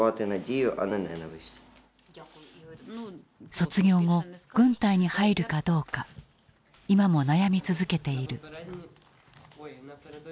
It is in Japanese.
卒業後軍隊に入るかどうか今も悩み続けている。